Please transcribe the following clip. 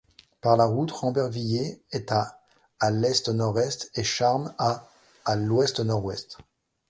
Par la route, Rambervillers est à à l'est-nord-est et Charmes à à l'ouest-nord-ouest.